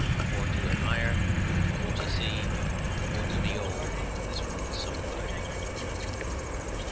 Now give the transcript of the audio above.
"For to admire and for to see, For to be'old this world so wide."